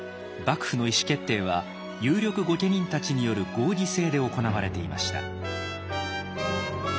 幕府の意思決定は有力御家人たちによる合議制で行われていました。